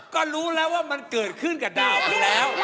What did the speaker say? ก็รู้แล้วว่ามันเกิดขึ้นกับดาวอยู่แล้ว